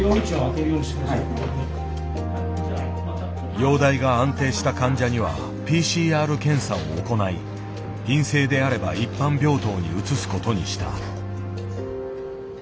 容体が安定した患者にはＰＣＲ検査を行い陰性であれば一般病棟に移すことにした。